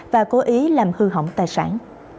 và cố ý làm hư hỏng tài sản